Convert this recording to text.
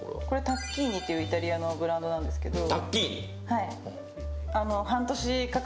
タッキーニというイタリアのブランドなんですけど。